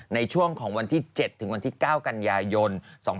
ในช่วงของวันที่๗ถึงวันที่๙กันยายน๒๕๖๒